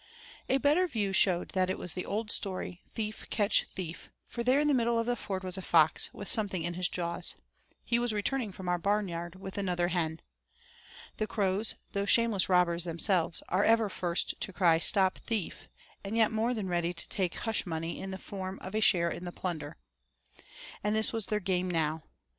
A better view showed that it was the old story, thief catch thief, for there in the middle of the ford was a fox with something in his jaws he was returning from our barnyard with another hen. The crows, though shameless robbers themselves, are ever first to cry 'Stop thief,' and yet more than ready to take 'hush money' in the form of a share in the plunder. And this was their game now.